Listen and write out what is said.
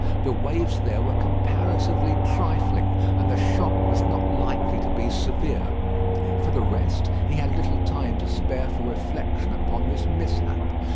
The waves there were comparatively trifling, and the shock was not likely to be very severe. For the rest, he had little time to spare for reflection upon this mishap.